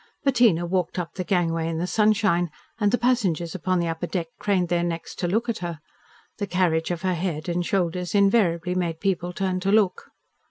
Bettina walked up the gangway in the sunshine, and the passengers upon the upper deck craned their necks to look at her. Her carriage of her head and shoulders invariably made people turn to look.